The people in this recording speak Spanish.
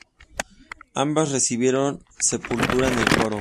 Ambas recibieron sepultura en el coro.